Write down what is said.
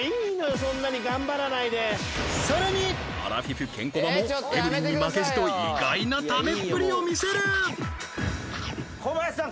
そんなに頑張らないでさらにアラフィフ・ケンコバもエブリンに負けじと意外な食べっぷりを見せるコバヤシさん